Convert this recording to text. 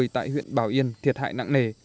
tại huyện bảo yên thiệt hại nặng nề